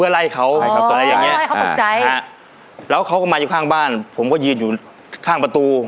แล้วเค้ามาอยู่ข้างบ้านผมก็ยืนคร้างประตู